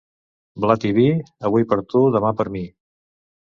Blat i vi, avui per tu, demà per mi.